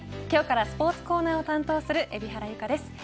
今日からスポーツコーナーを担当する海老原優香です。